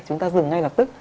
chúng ta dừng ngay lập tức